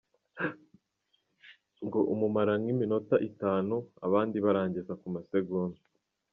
Ngo mumara nk’iminota itanu! Abandi barangiriza ku masegonda.